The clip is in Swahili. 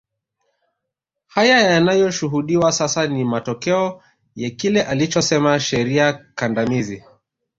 Haya yanayoshuhudiwa sasa ni matokeo ya kile alichosema sheria kandamizi